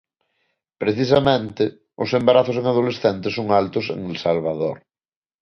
Precisamente, os embarazos en adolescentes son altos en El Salvador.